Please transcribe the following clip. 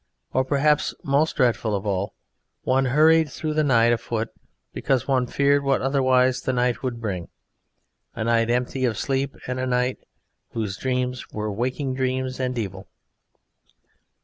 Or perhaps, most dreadful of all, one hurried through the night afoot because one feared what otherwise the night would bring, a night empty of sleep and a night whose dreams were waking dreams and evil.